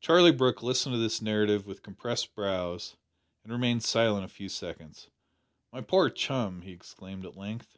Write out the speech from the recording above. Charlie Brooke listened to this narrative with compressed brows, and remained silent a few seconds. "My poor chum!" he exclaimed at length.